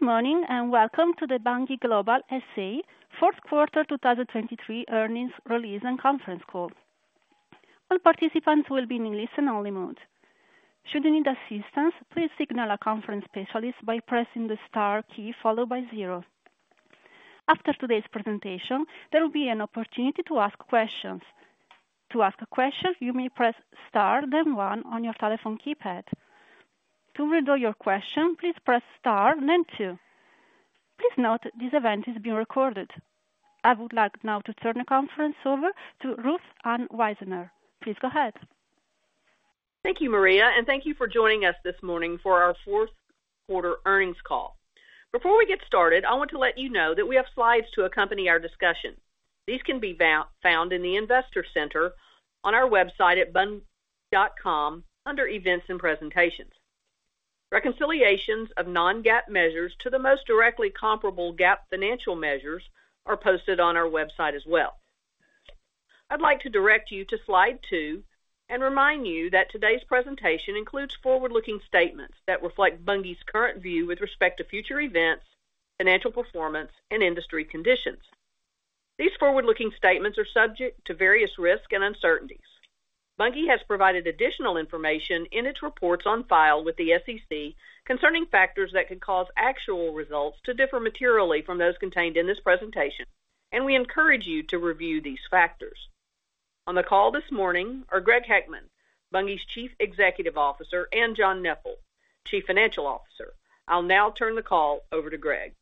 Good morning, and welcome to The Bunge Global SA Fourth Quarter 2023 Earnings Release and Conference Call. All participants will be in listen-only mode. Should you need assistance, please signal a conference specialist by pressing the star key followed by zero. After today's presentation, there will be an opportunity to ask questions. To ask a question, you may press star, then one on your telephone keypad. To withdraw your question, please press star, then two. Please note, this event is being recorded. I would like now to turn the conference over to Ruth Ann Wisener. Please go ahead. Thank you, Maria, and thank you for joining us this morning for our fourth quarter earnings call. Before we get started, I want to let you know that we have slides to accompany our discussion. These can be found in the Investor Center on our website at bunge.com under Events and Presentations. Reconciliations of non-GAAP measures to the most directly comparable GAAP financial measures are posted on our website as well. I'd like to direct you to slide two and remind you that today's presentation includes forward-looking statements that reflect Bunge's current view with respect to future events, financial performance, and industry conditions. These forward-looking statements are subject to various risks and uncertainties. Bunge has provided additional information in its reports on file with the SEC concerning factors that could cause actual results to differ materially from those contained in this presentation, and we encourage you to review these factors. On the call this morning are Greg Heckman, Bunge's Chief Executive Officer, and John Neppl, Chief Financial Officer. I'll now turn the call over to Greg.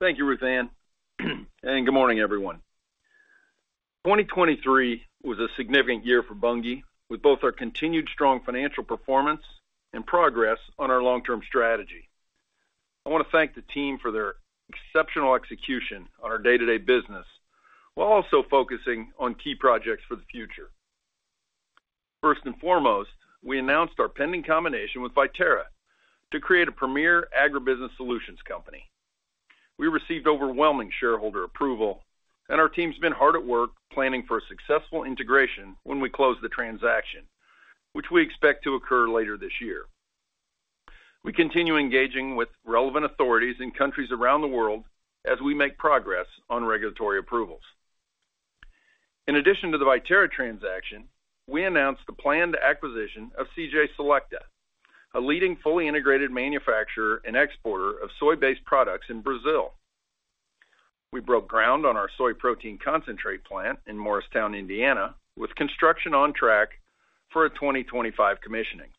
Thank you, Ruth Ann, and good morning, everyone. 2023 was a significant year for Bunge, with both our continued strong financial performance and progress on our long-term strategy. I wanna thank the team for their exceptional execution on our day-to-day business, while also focusing on key projects for the future. First and foremost, we announced our pending combination with Viterra to create a premier agribusiness solutions company. We received overwhelming shareholder approval, and our team's been hard at work planning for a successful integration when we close the transaction, which we expect to occur later this year. We continue engaging with relevant authorities in countries around the world as we make progress on regulatory approvals. In addition to the Viterra transaction, we announced the planned acquisition of CJ Selecta, a leading fully integrated manufacturer and exporter of soy-based products in Brazil. We broke ground on our soy protein concentrate plant in Morristown, Indiana, with construction on track for a 2025 commissioning.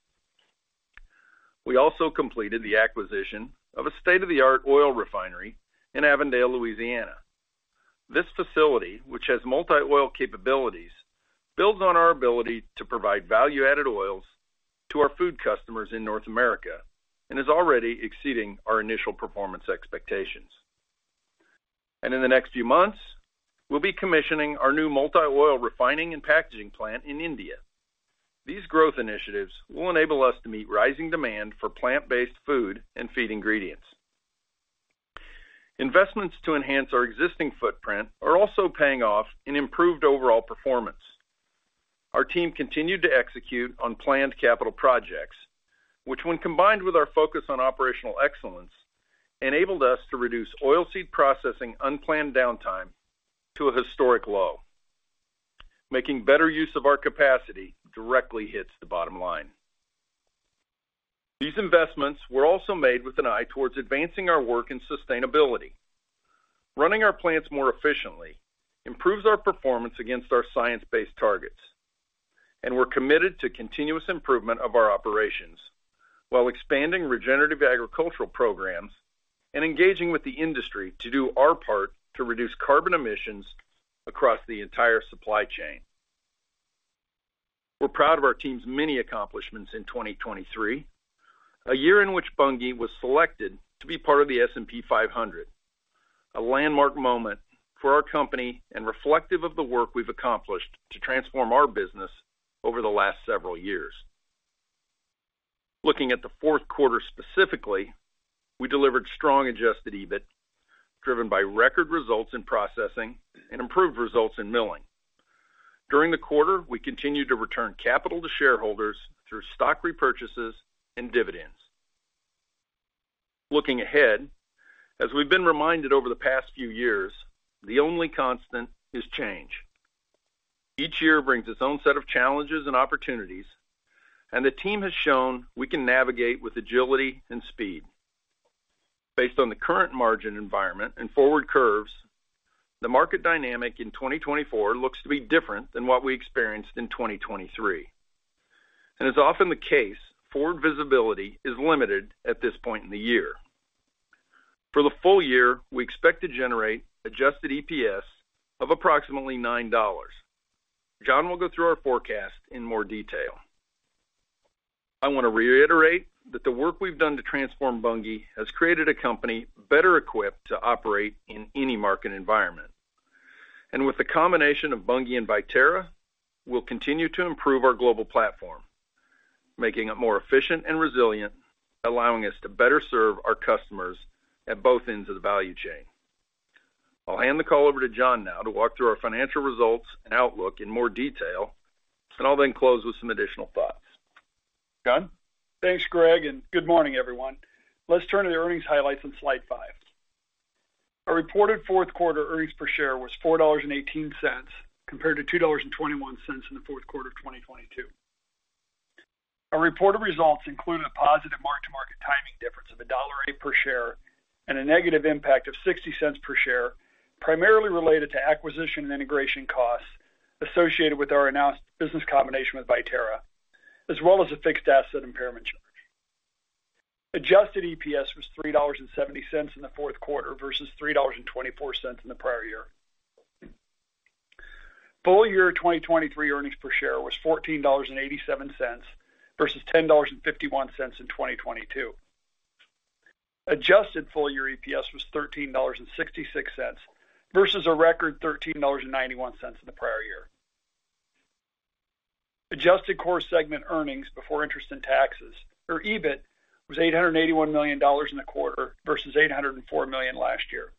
We also completed the acquisition of a state-of-the-art oil refinery in Avondale, Louisiana. This facility, which has multi-oil capabilities, builds on our ability to provide value-added oils to our food customers in North America and is already exceeding our initial performance expectations. In the next few months, we'll be commissioning our new multi-oil refining and packaging plant in India. These growth initiatives will enable us to meet rising demand for plant-based food and feed ingredients. Investments to enhance our existing footprint are also paying off in improved overall performance. Our team continued to execute on planned capital projects, which, when combined with our focus on operational excellence, enabled us to reduce oilseed processing unplanned downtime to a historic low. Making better use of our capacity directly hits the bottom line. These investments were also made with an eye towards advancing our work in sustainability. Running our plants more efficiently improves our performance against our science based targets, and we're committed to continuous improvement of our operations while expanding regenerative agricultural programs and engaging with the industry to do our part to reduce carbon emissions across the entire supply chain. We're proud of our team's many accomplishments in 2023, a year in which Bunge was selected to be part of the S&P 500, a landmark moment for our company and reflective of the work we've accomplished to transform our business over the last several years. Looking at the fourth quarter specifically, we delivered strong Adjusted EBIT, driven by record results in processing and improved results in milling. During the quarter, we continued to return capital to shareholders through stock repurchases and dividends. Looking ahead, as we've been reminded over the past few years, the only constant is change. Each year brings its own set of challenges and opportunities, and the team has shown we can navigate with agility and speed. Based on the current margin environment and forward curves, the market dynamic in 2024 looks to be different than what we experienced in 2023. And, as is often the case, forward visibility is limited at this point in the year. For the full year, we expect to generate Adjusted EPS of approximately $9. John will go through our forecast in more detail. I wanna reiterate that the work we've done to transform Bunge has created a company better equipped to operate in any market environment. With the combination of Bunge and Viterra, we'll continue to improve our global platform, making it more efficient and resilient, allowing us to better serve our customers at both ends of the value chain.... I'll hand the call over to John now to walk through our financial results and outlook in more detail, and I'll then close with some additional thoughts. John? Thanks, Greg, and good morning, everyone. Let's turn to the earnings highlights on slide five. Our reported fourth quarter earnings per share was $4.18, compared to $2.21 in the fourth quarter of 2022. Our reported results included a positive mark-to-market timing difference of $1.08 per share and a negative impact of $0.60 per share, primarily related to acquisition and integration costs associated with our announced business combination with Viterra, as well as a fixed asset impairment charge. Adjusted EPS was $3.70 in the fourth quarter versus $3.24 in the prior year. Full year 2023 earnings per share was $14.87 versus $10.51 in 2022. Adjusted full-year EPS was $13.66 versus a record $13.91 in the prior year. Adjusted core segment earnings before interest and taxes, or EBIT, was $881 million in the quarter versus $804 million last year.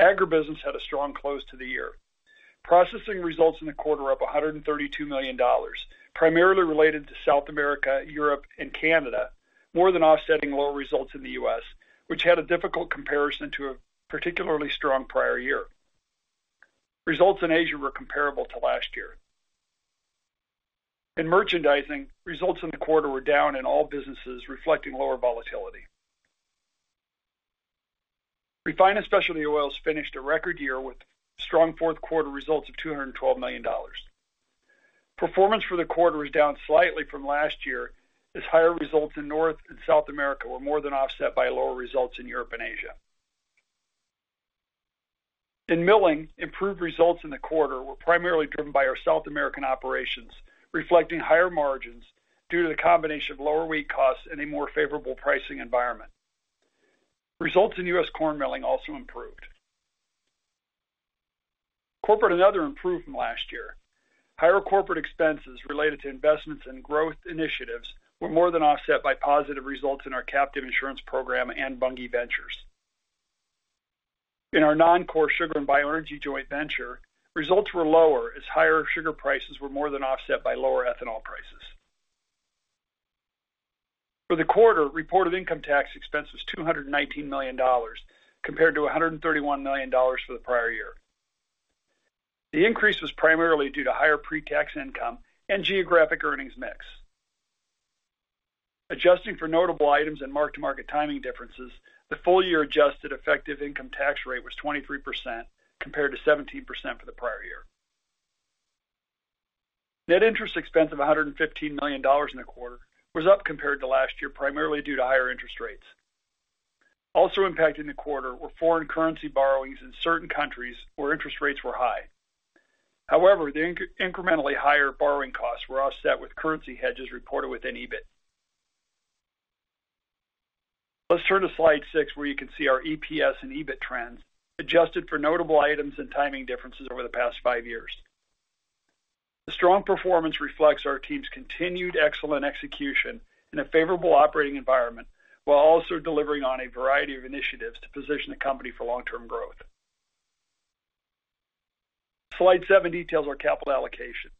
Agribusiness had a strong close to the year. Processing results in the quarter were up $132 million, primarily related to South America, Europe, and Canada, more than offsetting lower results in the U.S., which had a difficult comparison to a particularly strong prior year. Results in Asia were comparable to last year. In merchandising, results in the quarter were down in all businesses, reflecting lower volatility. Refined and specialty oils finished a record year with strong fourth quarter results of $212 million. Performance for the quarter was down slightly from last year, as higher results in North and South America were more than offset by lower results in Europe and Asia. In milling, improved results in the quarter were primarily driven by our South American operations, reflecting higher margins due to the combination of lower wheat costs and a more favorable pricing environment. Results in U.S. corn milling also improved. Corporate and other improved from last year. Higher corporate expenses related to investments and growth initiatives were more than offset by positive results in our captive insurance program and Bunge Ventures. In our non-core sugar and bioenergy joint venture, results were lower as higher sugar prices were more than offset by lower ethanol prices. For the quarter, reported income tax expense was $219 million, compared to $131 million for the prior year. The increase was primarily due to higher pre-tax income and geographic earnings mix. Adjusting for notable items and mark-to-market timing differences, the full year adjusted effective income tax rate was 23%, compared to 17% for the prior year. Net interest expense of $115 million in the quarter was up compared to last year, primarily due to higher interest rates. Also impacting the quarter were foreign currency borrowings in certain countries where interest rates were high. However, the incrementally higher borrowing costs were offset with currency hedges reported within EBIT. Let's turn to slide six, where you can see our EPS and EBIT trends, adjusted for notable items and timing differences over the past five years. The strong performance reflects our team's continued excellent execution in a favorable operating environment, while also delivering on a variety of initiatives to position the company for long-term growth. Slide seven details our capital allocation.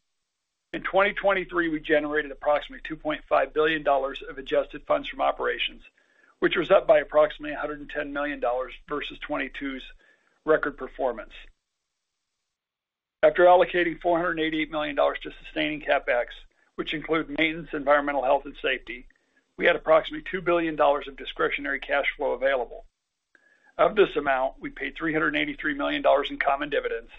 In 2023, we generated approximately $2.5 billion of adjusted funds from operations, which was up by approximately $110 million versus 2022's record performance. After allocating $488 million to sustaining CapEx, which include maintenance, environmental, health, and safety, we had approximately $2 billion of discretionary cash flow available. Of this amount, we paid $383 million in common dividends,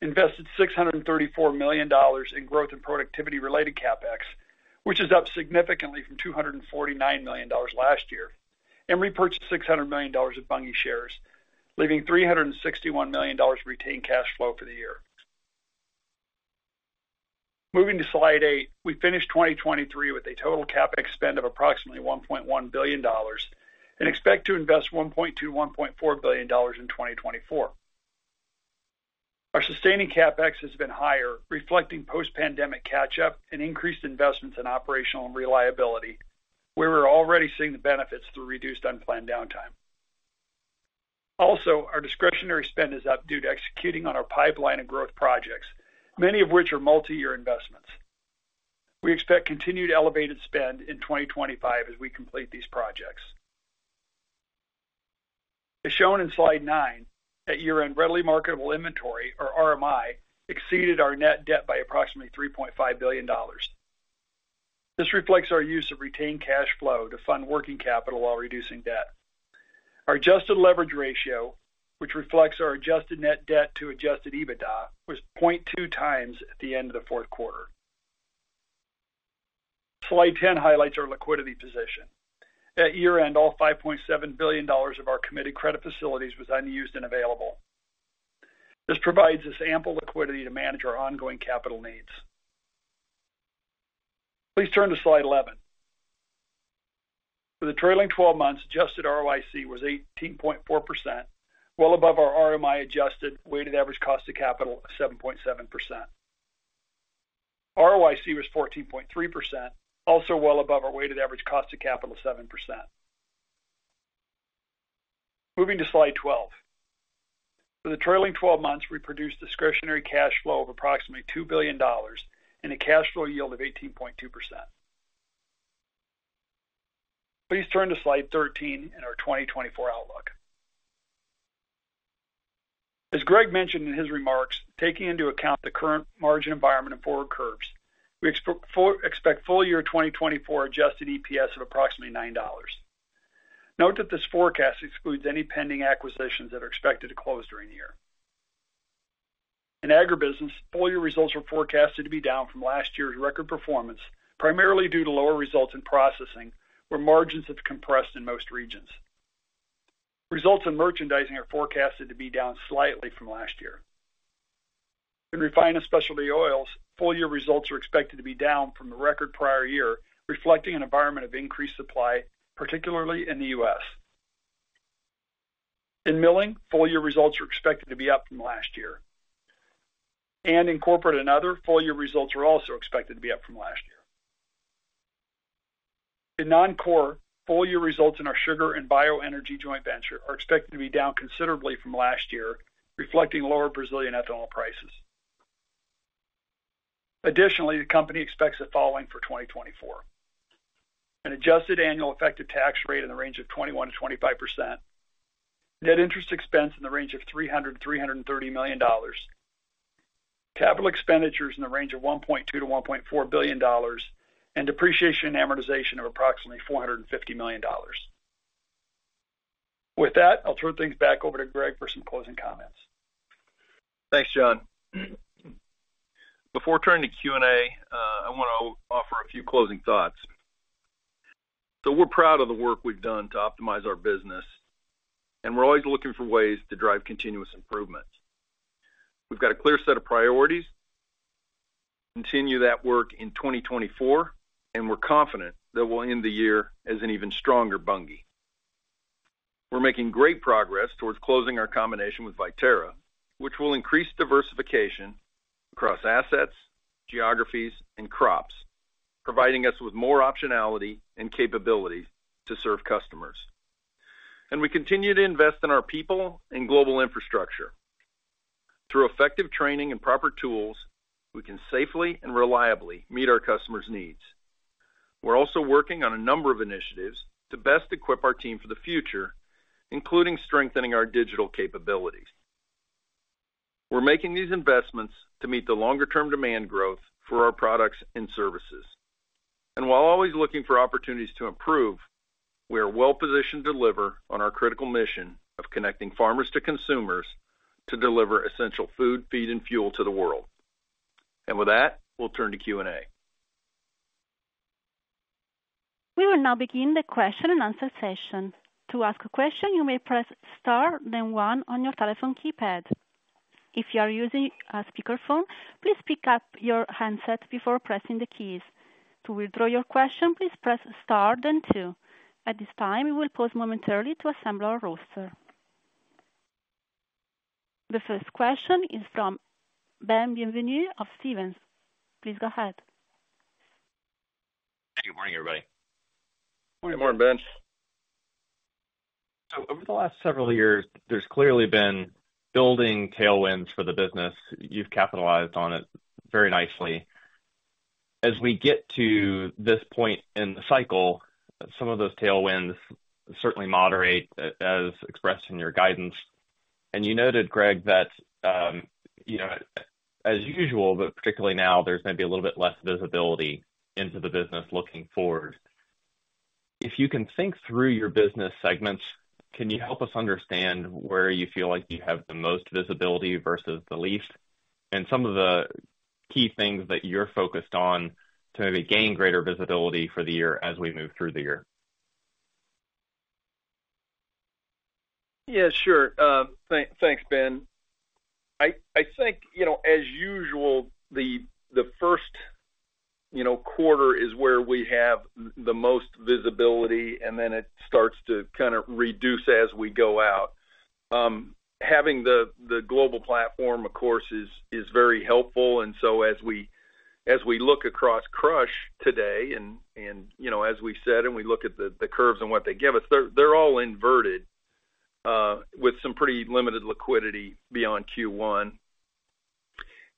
invested $634 million in growth and productivity-related CapEx, which is up significantly from $249 million last year, and repurchased $600 million of Bunge shares, leaving $361 million of retained cash flow for the year. Moving to slide eight, we finished 2023 with a total CapEx spend of approximately $1.1 billion and expect to invest $1.2 billion-$1.4 billion in 2024. Our sustaining CapEx has been higher, reflecting post-pandemic catch-up and increased investments in operational and reliability, where we're already seeing the benefits through reduced unplanned downtime. Also, our discretionary spend is up due to executing on our pipeline and growth projects, many of which are multi-year investments. We expect continued elevated spend in 2025 as we complete these projects. As shown in slide nine, at year-end, readily marketable inventory, or RMI, exceeded our net debt by approximately $3.5 billion. This reflects our use of retained cash flow to fund working capital while reducing debt. Our adjusted leverage ratio, which reflects our adjusted net debt to adjusted EBITDA, was 0.2x at the end of the fourth quarter. Slide 10 highlights our liquidity position. At year-end, all $5.7 billion of our committed credit facilities was unused and available. This provides us ample liquidity to manage our ongoing capital needs. Please turn to slide 11. For the trailing twelve months, adjusted ROIC was 18.4%, well above our RMI-adjusted weighted average cost of capital of 7.7%. ROIC was 14.3%, also well above our weighted average cost of capital of 7%. Moving to Slide 12. For the trailing twelve months, we produced discretionary cash flow of approximately $2 billion and a cash flow yield of 18.2%. Please turn to Slide 13 in our 2024 outlook. As Greg mentioned in his remarks, taking into account the current margin environment and forward curves, we expect full year 2024 adjusted EPS of approximately $9. Note that this forecast excludes any pending acquisitions that are expected to close during the year. In agribusiness, full year results are forecasted to be down from last year's record performance, primarily due to lower results in processing, where margins have compressed in most regions. Results in merchandising are forecasted to be down slightly from last year. In refined and specialty oils, full year results are expected to be down from the record prior year, reflecting an environment of increased supply, particularly in the U.S. In milling, full year results are expected to be up from last year, and in corporate and other, full year results are also expected to be up from last year. In non-core, full year results in our sugar and bioenergy joint venture are expected to be down considerably from last year, reflecting lower Brazilian ethanol prices. Additionally, the company expects the following for 2024: an adjusted annual effective tax rate in the range of 21%-25%, net interest expense in the range of $300 million-$330 million, capital expenditures in the range of $1.2 billion-$1.4 billion, and depreciation and amortization of approximately $450 million. With that, I'll turn things back over to Greg for some closing comments. Thanks, John. Before turning to Q&A, I want to offer a few closing thoughts. So we're proud of the work we've done to optimize our business, and we're always looking for ways to drive continuous improvement. We've got a clear set of priorities, continue that work in 2024, and we're confident that we'll end the year as an even stronger Bunge. We're making great progress towards closing our combination with Viterra, which will increase diversification across assets, geographies, and crops, providing us with more optionality and capability to serve customers. And we continue to invest in our people and global infrastructure. Through effective training and proper tools, we can safely and reliably meet our customers' needs. We're also working on a number of initiatives to best equip our team for the future, including strengthening our digital capabilities. We're making these investments to meet the longer-term demand growth for our products and services. And while always looking for opportunities to improve, we are well positioned to deliver on our critical mission of connecting farmers to consumers to deliver essential food, feed, and fuel to the world. And with that, we'll turn to Q&A. We will now begin the question and answer session. To ask a question, you may press star, then one on your telephone keypad. If you are using a speakerphone, please pick up your handset before pressing the keys. To withdraw your question, please press star, then two. At this time, we will pause momentarily to assemble our roster. The first question is from Ben Bienvenu of Stephens. Please go ahead. Good morning, everybody. Good morning, Ben. So over the last several years, there's clearly been building tailwinds for the business. You've capitalized on it very nicely. As we get to this point in the cycle, some of those tailwinds certainly moderate, as expressed in your guidance. And you noted, Greg, that, you know, as usual, but particularly now, there's maybe a little bit less visibility into the business looking forward. If you can think through your business segments, can you help us understand where you feel like you have the most visibility versus the least, and some of the key things that you're focused on to maybe gain greater visibility for the year as we move through the year? Yeah, sure. Thanks, Ben. I think, you know, as usual, the first quarter is where we have the most visibility, and then it starts to kind of reduce as we go out. Having the global platform, of course, is very helpful. And so as we look across crush today, and you know, as we've said, and we look at the curves and what they give us, they're all inverted with some pretty limited liquidity beyond Q1.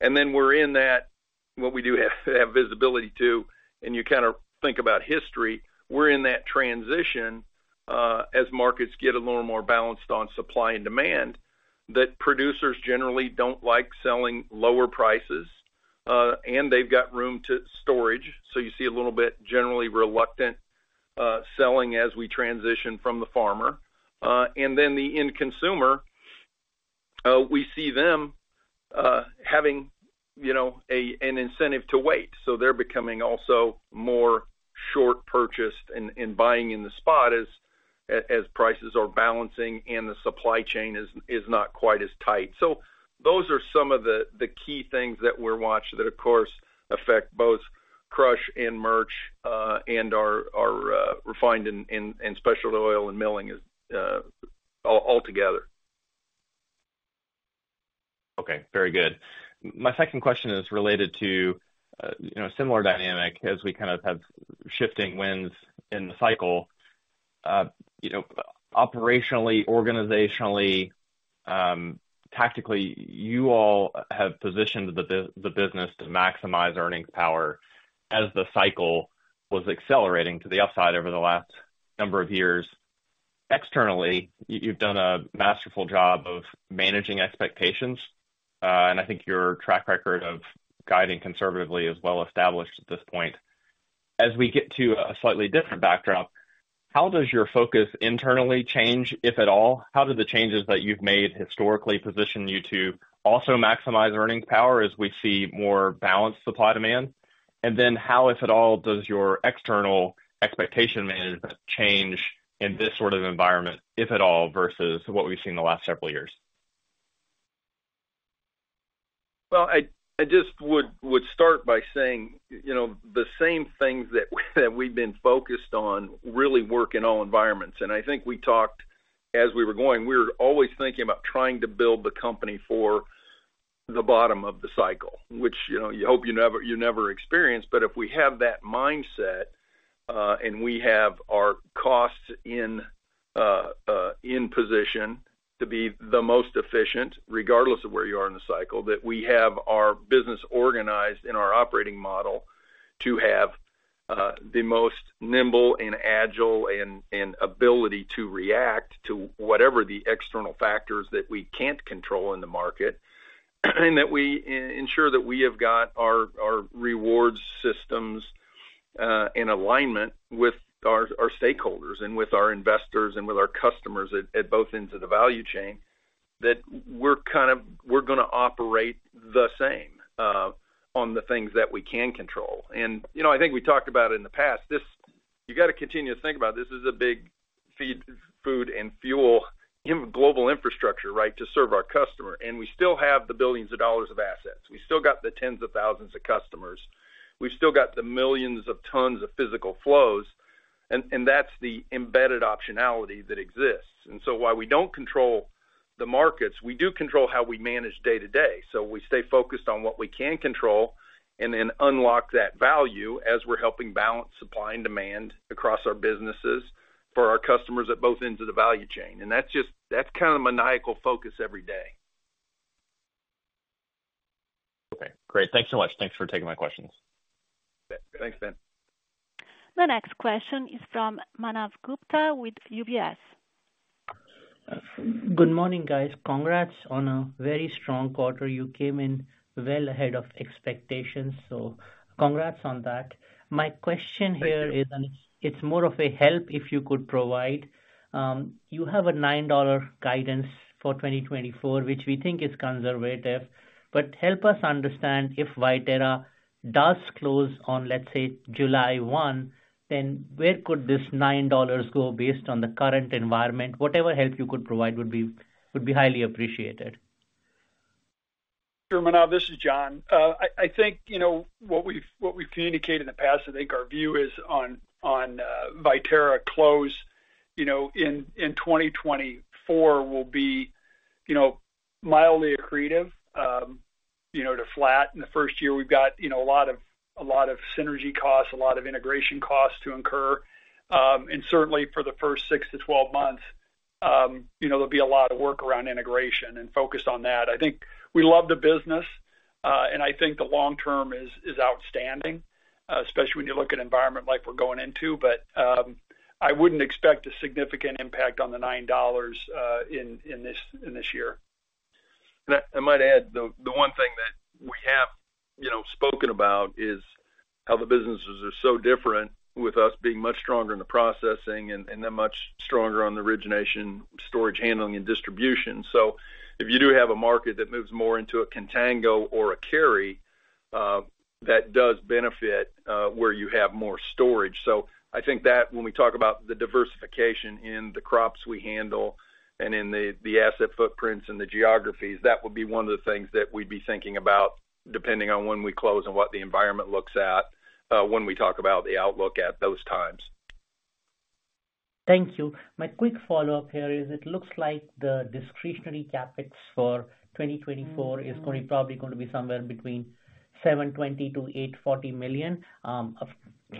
And then we're in that, what we do have visibility to, and you kind of think about history, we're in that transition as markets get a little more balanced on supply and demand, that producers generally don't like selling lower prices, and they've got room to storage. So you see a little bit generally reluctant selling as we transition from the farmer. And then the end consumer, we see them having, you know, an incentive to wait, so they're becoming also more short purchased and buying in the spot as prices are balancing and the supply chain is not quite as tight. So those are some of the key things that we're watching that, of course, affect both crush and merch and our refined and special oil and milling all together. Okay, very good. My second question is related to, you know, a similar dynamic as we kind of have shifting winds in the cycle. You know, operationally, organizationally, tactically, you all have positioned the business to maximize earnings power as the cycle was accelerating to the upside over the last number of years. Externally, you, you've done a masterful job of managing expectations, and I think your track record of guiding conservatively is well established at this point. As we get to a slightly different backdrop, how does your focus internally change, if at all? How do the changes that you've made historically position you to also maximize earnings power as we see more balanced supply-demand? How, if at all, does your external expectation management change in this sort of environment, if at all, versus what we've seen in the last several years? Well, I just would start by saying, you know, the same things that we've been focused on really work in all environments. And I think we talked as we were going, we were always thinking about trying to build the company for the bottom of the cycle, which, you know, you hope you never experience. But if we have that mindset, and we have our costs in position to be the most efficient, regardless of where you are in the cycle, that we have our business organized in our operating model to have the most nimble and agile and ability to react to whatever the external factors that we can't control in the market. That we ensure that we have got our reward systems in alignment with our stakeholders and with our investors, and with our customers at both ends of the value chain, that we're kind of—we're gonna operate the same on the things that we can control. You know, I think we talked about it in the past. This—you got to continue to think about it. This is a big feed, food, and fuel in global infrastructure, right? To serve our customer. We still have the billions of dollars of assets. We still got the tens of thousands of customers. We've still got the millions of tons of physical flows, and that's the embedded optionality that exists. So while we don't control the markets, we do control how we manage day-to-day. We stay focused on what we can control, and then unlock that value as we're helping balance supply and demand across our businesses for our customers at both ends of the value chain. That's just kind of a maniacal focus every day. Okay, great. Thanks so much. Thanks for taking my questions. Thanks, Ben. The next question is from Manav Gupta with UBS. Good morning, guys. Congrats on a very strong quarter. You came in well ahead of expectations, so congrats on that. My question here is- It's more of a help if you could provide. You have a $9 guidance for 2024, which we think is conservative. But help us understand, if Viterra does close on, let's say, July 1, then where could this $9 go based on the current environment? Whatever help you could provide would be highly appreciated. Sure, Manav, this is John. I think, you know, what we've communicated in the past, I think our view is on Viterra close, you know, in 2024 will be, you know, mildly accretive to flat. In the first year, we've got, you know, a lot of synergy costs, a lot of integration costs to incur. And certainly for the first six-12 months, you know, there'll be a lot of work around integration and focus on that. I think we love the business, and I think the long term is outstanding, especially when you look at environment like we're going into. But I wouldn't expect a significant impact on the $9 in this year. And I might add, the one thing that we have, you know, spoken about is how the businesses are so different with us being much stronger in the processing and they're much stronger on the origination, storage, handling, and distribution. So if you do have a market that moves more into a contango or a carry, that does benefit where you have more storage. So I think that when we talk about the diversification in the crops we handle and in the asset footprints and the geographies, that would be one of the things that we'd be thinking about, depending on when we close and what the environment looks at when we talk about the outlook at those times. Thank you. My quick follow-up here is: It looks like the discretionary CapEx for 2024 is going- Probably going to be somewhere between $720 million-$840 million.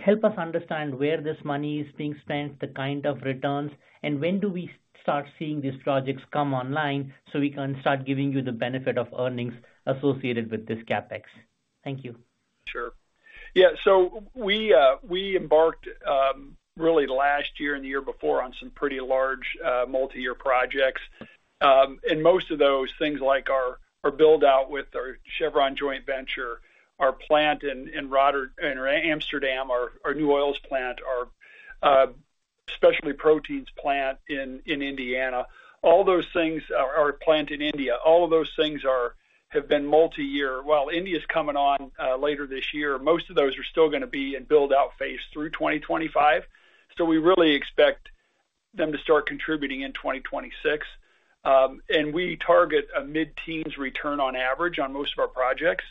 Help us understand where this money is being spent, the kind of returns, and when do we start seeing these projects come online, so we can start giving you the benefit of earnings associated with this CapEx? Thank you. Sure. Yeah, so we, we embarked, really last year and the year before on some pretty large, multi-year projects. And most of those things, like our, our build-out with our Chevron joint venture, our plant in, in Rotterdam, in Amsterdam, our, our new oils plant, our, specialty proteins plant in, in Indiana, all those things are, our plant in India. All of those things are, have been multi-year. While India's coming on, later this year, most of those are still gonna be in build-out phase through 2025. So we really expect them to start contributing in 2026. And we target a mid-teens return on average on most of our projects.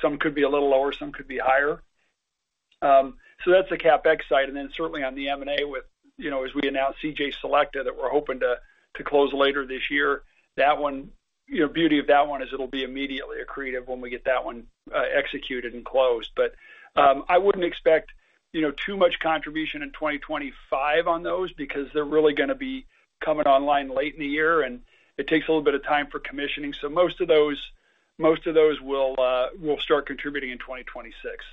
Some could be a little lower, some could be higher. So that's the CapEx side, and then certainly on the M&A with, you know, as we announced CJ Selecta, that we're hoping to close later this year. That one. You know, beauty of that one is it'll be immediately accretive when we get that one executed and closed. But I wouldn't expect, you know, too much contribution in 2025 on those, because they're really gonna be coming online late in the year, and it takes a little bit of time for commissioning. So most of those will start contributing in 2026.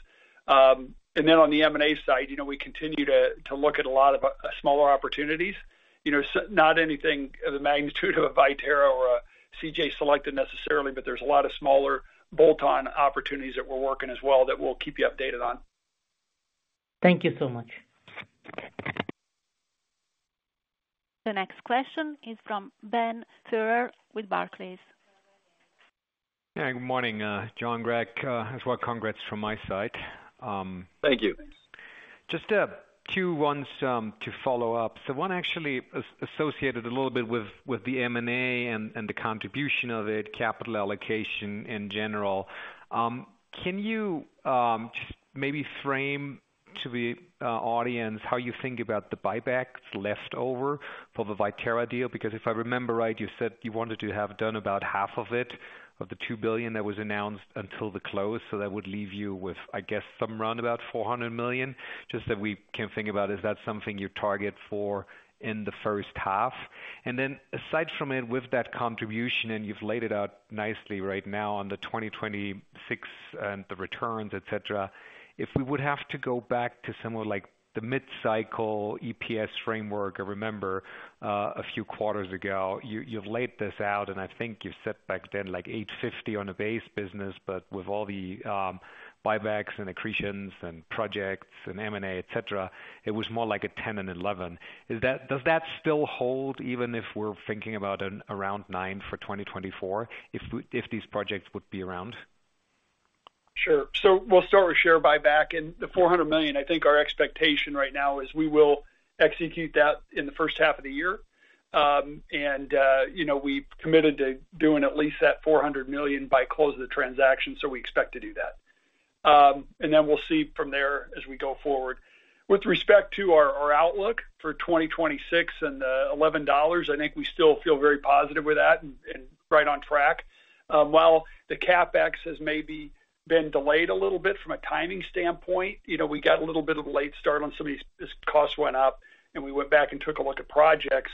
And then on the M&A side, you know, we continue to look at a lot of smaller opportunities. You know, not anything of the magnitude of a Viterra or a CJ Selecta necessarily, but there's a lot of smaller bolt-on opportunities that we're working as well, that we'll keep you updated on. Thank you so much. The next question is from Ben Theurer with Barclays. Hey, good morning, John, Greg. As well, congrats from my side. Thank you. Just wanted to follow up. So one actually associated a little bit with the M&A and the contribution of it, capital allocation in general. Can you just maybe frame to the audience how you think about the buybacks left over for the Viterra deal? Because if I remember right, you said you wanted to have done about half of it, of the $2 billion that was announced until the close. So that would leave you with, I guess, some roundabout $400 million. Just that we can think about, is that something you target for in the first half? And then aside from it, with that contribution, and you've laid it out nicely right now on the 2026 and the returns, etc. If we would have to go back to somewhere like the mid-cycle EPS framework, I remember, a few quarters ago, you, you've laid this out, and I think you said back then, like $8.50 on a base business, but with all the, buybacks and accretions and projects and M&A, et cetera, it was more like a $10 and $11. Is that—Does that still hold, even if we're thinking about an around $9 for 2024, if we—if these projects would be around? Sure. So we'll start with share buyback, and the $400 million, I think our expectation right now is we will execute that in the first half of the year. And, you know, we've committed to doing at least that $400 million by close of the transaction, so we expect to do that. And then we'll see from there as we go forward. With respect to our outlook for 2026 and the $11, I think we still feel very positive with that and right on track. While the CapEx has maybe been delayed a little bit from a timing standpoint, you know, we got a little bit of a late start on some of these, as costs went up, and we went back and took a look at projects.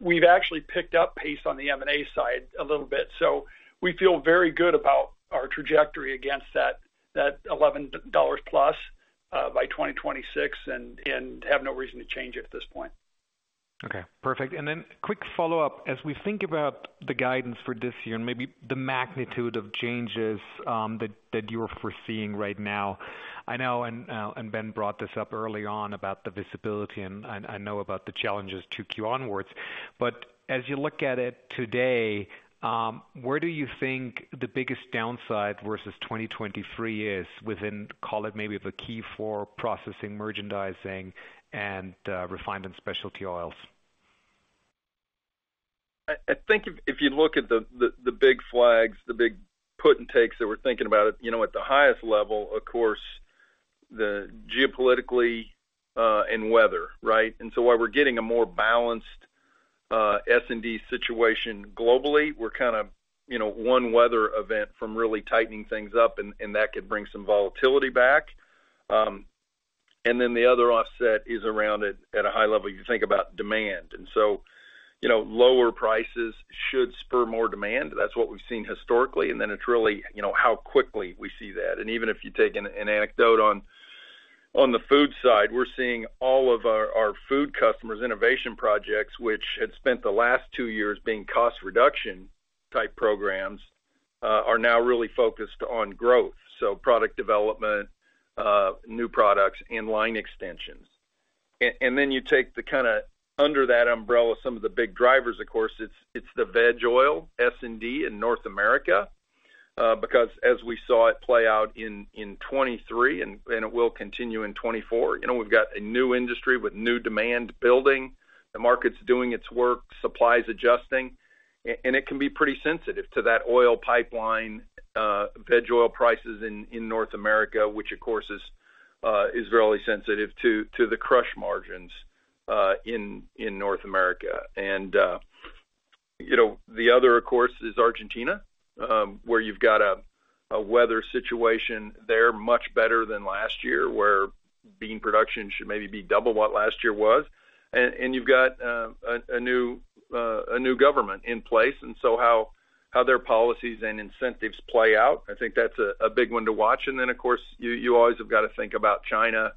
We've actually picked up pace on the M&A side a little bit, so we feel very good about our trajectory against that $11+ by 2026, and have no reason to change it at this point. Okay, perfect. And then quick follow-up: As we think about the guidance for this year and maybe the magnitude of changes that you're foreseeing right now, I know, and Ben brought this up early on about the visibility, and I know about the challenges 2Q onwards. But as you look at it today, where do you think the biggest downside versus 2023 is within, call it maybe the key four, processing, merchandising, and refined and specialty oils? I think if you look at the big flags, the big put and takes that we're thinking about it, you know, at the highest level, of course, the geopolitically and weather, right? And so while we're getting a more balanced S&D situation globally, we're kind of, you know, one weather event from really tightening things up, and that could bring some volatility back. And then the other offset is around at a high level, you think about demand. And so, you know, lower prices should spur more demand. That's what we've seen historically, and then it's really, you know, how quickly we see that. Even if you take an anecdote on the food side, we're seeing all of our food customers' innovation projects, which had spent the last two years being cost reduction-type programs, are now really focused on growth. So product development, new products, and line extensions. And then you take the kind of under that umbrella, some of the big drivers, of course, it's the veg oil, S&D in North America, because as we saw it play out in 2023 and it will continue in 2024, you know, we've got a new industry with new demand building. The market's doing its work, supply is adjusting, and it can be pretty sensitive to that oil pipeline, veg oil prices in North America, which, of course, is really sensitive to the crush margins in North America. And, you know, the other, of course, is Argentina, where you've got a weather situation there, much better than last year, where bean production should maybe be double what last year was. And you've got a new government in place, and so how their policies and incentives play out, I think that's a big one to watch. Then, of course, you always have got to think about China,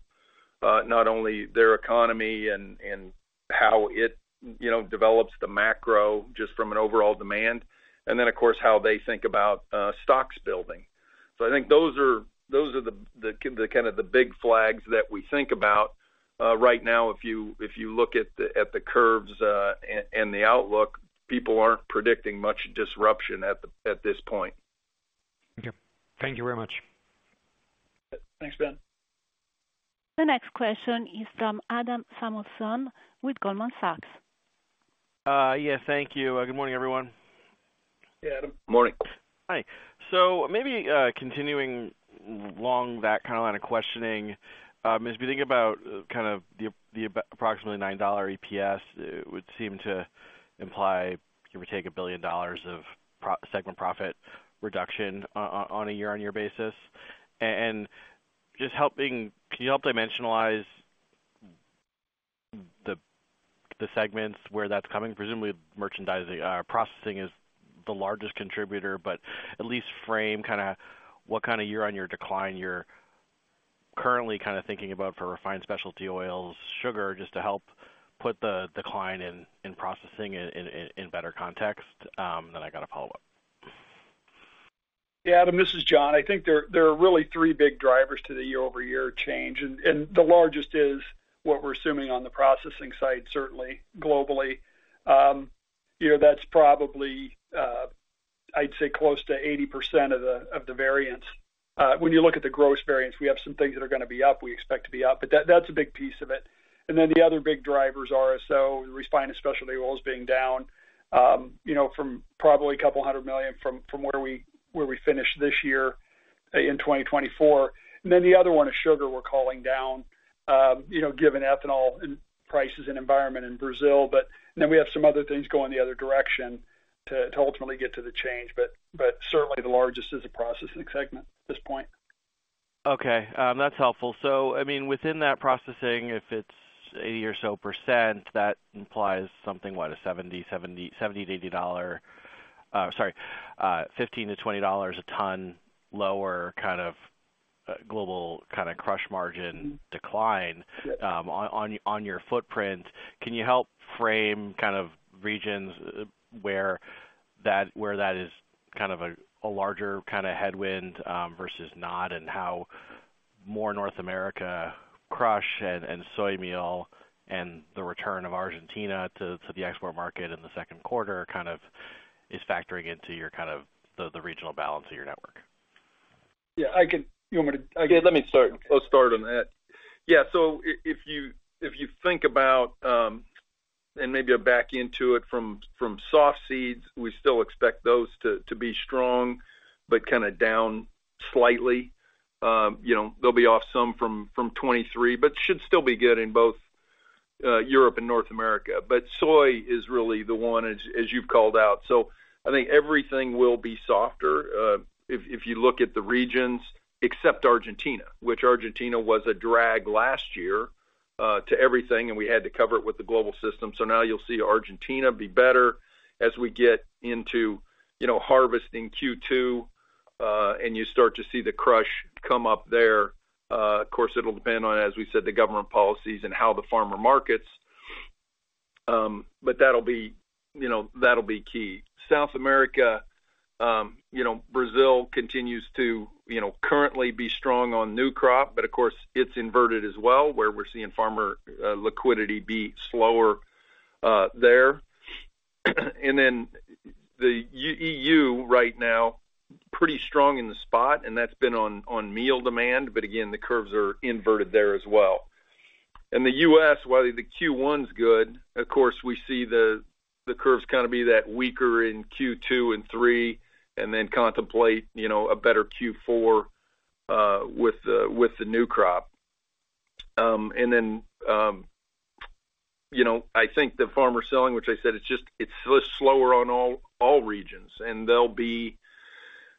not only their economy and how it, you know, develops the macro, just from an overall demand, and then, of course, how they think about stocks building. I think those are the kind of big flags that we think about. Right now, if you look at the curves and the outlook, people aren't predicting much disruption at this point. Thank you. Thank you very much. Thanks, Ben. The next question is from Adam Samuelson with Goldman Sachs. Yeah, thank you. Good morning, everyone. Yeah, Adam, morning. Hi. So maybe, continuing along that kind of line of questioning, as we think about kind of the approximately $9 EPS, it would seem to imply, give or take, $1 billion of pro-segment profit reduction on a year-on-year basis. And just helping, can you help dimensionalize the segments where that's coming? Presumably, merchandising, processing is the largest contributor, but at least frame kind of what kind of year-on-year decline you're currently kind of thinking about for refined specialty oils, sugar, just to help put the decline in processing in better context. Then I got a follow-up. Yeah, Adam, this is John. I think there are really three big drivers to the year-over-year change, and the largest is what we're assuming on the processing side, certainly globally. You know, that's probably, I'd say, close to 80% of the variance. When you look at the gross variance, we have some things that are going to be up, we expect to be up, but that's a big piece of it. And then the other big drivers are, so refined, specialty oils being down, you know, from probably $200 million from where we finished this year in 2024. And then the other one is sugar. We're calling down, you know, given ethanol and prices and environment in Brazil. But then we have some other things going the other direction to ultimately get to the change. But certainly the largest is the processing segment at this point. Okay, that's helpful. So, I mean, within that processing, if it's 80% or so, that implies something, what, a $70-$80, sorry, $15-$20 a ton lower kind of global crush margin decline- On your footprint. Can you help frame kind of regions where that is kind of a larger kind of headwind versus not, and how more North America crush and soy meal and the return of Argentina to the export market in the second quarter kind of is factoring into your kind of the regional balance of your network? Yeah, I could... You want me to- Yeah, let me start. I'll start on that. Yeah, so if you think about, and maybe back into it from soft seeds, we still expect those to be strong, but kind of down slightly. You know, they'll be off some from 2023, but should still be good in both Europe and North America. But soy is really the one, as you've called out. So I think everything will be softer, if you look at the regions, except Argentina, which Argentina was a drag last year to everything, and we had to cover it with the global system. So now you'll see Argentina be better as we get into, you know, harvesting Q2, and you start to see the crush come up there. Of course, it'll depend on, as we said, the government policies and how the farmer markets. But that'll be, you know, that'll be key. South America, you know, Brazil continues to, you know, currently be strong on new crop, but of course, it's inverted as well, where we're seeing farmer liquidity be slower there. And then the EU right now, pretty strong in the spot, and that's been on meal demand, but again, the curves are inverted there as well. In the US, while the Q1's good, of course, we see the curves kind of be that weaker in Q2 and three, and then contemplate, you know, a better Q4 with the new crop. And then, you know, I think the farmer selling, which I said, it's just slower on all regions, and they'll be,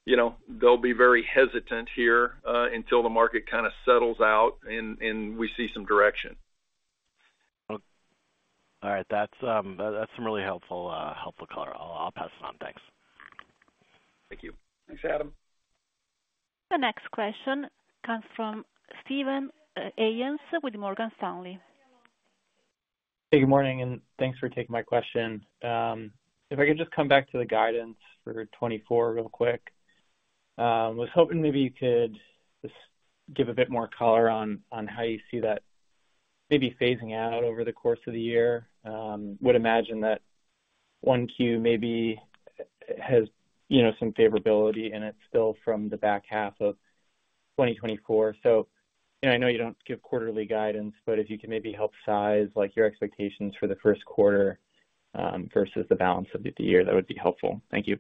you know, they'll be very hesitant here until the market kind of settles out and we see some direction. Okay. All right. That's some really helpful color. I'll pass it on. Thanks. Thank you. Thanks, Adam. The next question comes from Steven Haynes with Morgan Stanley. Hey, good morning, and thanks for taking my question. If I could just come back to the guidance for 2024 real quick. Was hoping maybe you could just give a bit more color on, on how you see that maybe phasing out over the course of the year. Would imagine that 1Q maybe has, you know, some favorability in it still from the back half of 2024. So, and I know you don't give quarterly guidance, but if you could maybe help size, like, your expectations for the first quarter, versus the balance of the year, that would be helpful. Thank you.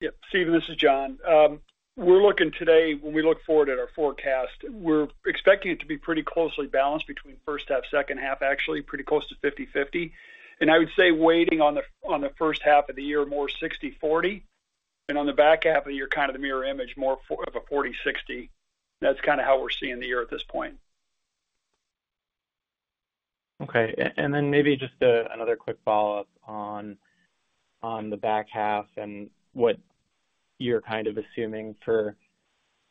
Yeah. Steven, this is John. We're looking today, when we look forward at our forecast, we're expecting it to be pretty closely balanced between first half, second half, actually, pretty close to 50/50. And I would say weighting on the first half of the year, more 60/40, and on the back half of the year, kind of the mirror image, more of a 40/60. That's kind of how we're seeing the year at this point. Okay. And then maybe just another quick follow-up on the back half and what you're kind of assuming for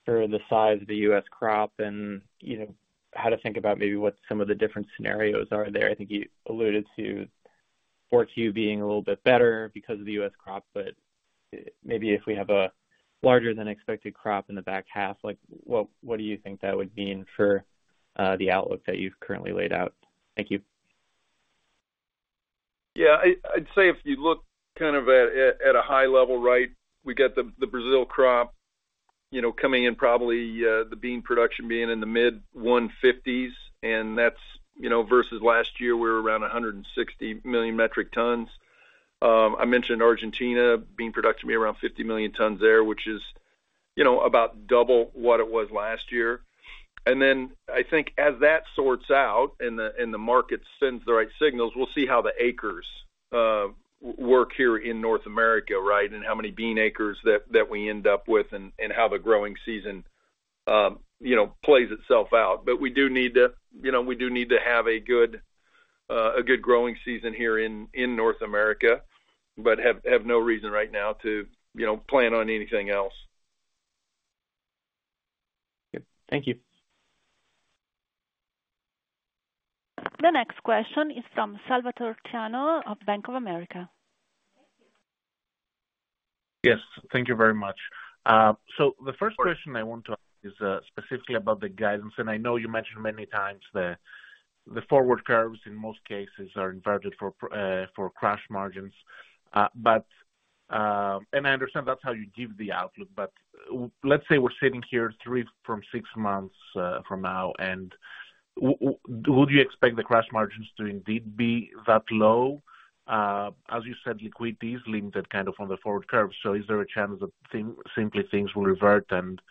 the size of the U.S. crop and, you know, how to think about maybe what some of the different scenarios are there. I think you alluded to 4Q being a little bit better because of the U.S. crop, but maybe if we have a larger than expected crop in the back half, like, what do you think that would mean for the outlook that you've currently laid out? Thank you. Yeah, I'd say if you look kind of at a high level, right? We got the Brazil crop, you know, coming in probably, the bean production being in the mid-150s, and that's, you know, versus last year, we were around 160 million metric tons. I mentioned Argentina, bean production be around 50 million tons there, which is, you know, about double what it was last year. And then I think as that sorts out and the market sends the right signals, we'll see how the acres work here in North America, right? And how many bean acres that we end up with and how the growing season, you know, plays itself out. But we do need to, you know, we do need to have a good growing season here in North America, but have no reason right now to, you know, plan on anything else. Yep. Thank you. The next question is from Salvator Tiano of Bank of America. Yes, thank you very much. So the first question I want to ask is specifically about the guidance, and I know you mentioned many times the forward curves in most cases are inverted for crush margins. But, and I understand that's how you give the outlook, but let's say we're sitting here three to six months from now, and would you expect the crush margins to indeed be that low? As you said, liquidity is limited kind of on the forward curve, so is there a chance that things simply will revert and,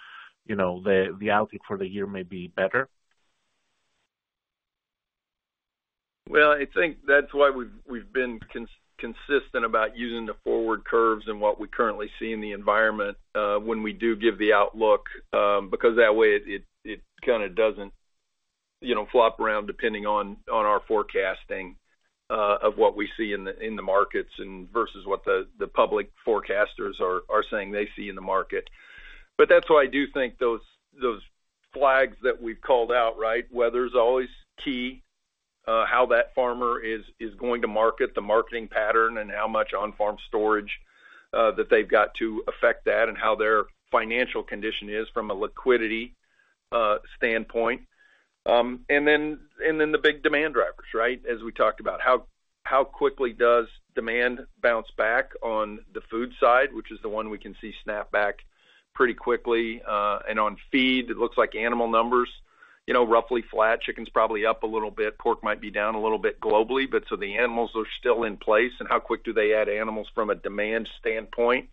you know, the outlook for the year may be better? Well, I think that's why we've been consistent about using the forward curves and what we currently see in the environment, when we do give the outlook, because that way it kind of doesn't, you know, flop around depending on our forecasting of what we see in the markets and versus what the public forecasters are saying they see in the market. But that's why I do think those flags that we've called out, right? Weather is always key, how that farmer is going to market, the marketing pattern, and how much on-farm storage that they've got to affect that, and how their financial condition is from a liquidity standpoint. And then the big demand drivers, right? As we talked about, how quickly does demand bounce back on the food side, which is the one we can see snap back pretty quickly. On feed, it looks like animal numbers, you know, roughly flat. Chicken's probably up a little bit, pork might be down a little bit globally, but so the animals are still in place, and how quick do they add animals from a demand standpoint?